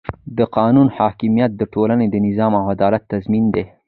د قانون حاکمیت د ټولنې د نظم او عدالت تضمین دی